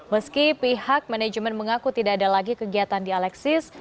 meski pihak manajemen mengaku tidak ada lagi kegiatan di alexis